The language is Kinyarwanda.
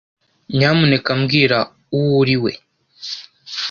Nyamuneka mbwira uwo uri we.